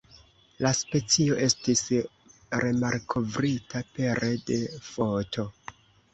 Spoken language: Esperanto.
La specio estis remalkovrita pere de foto.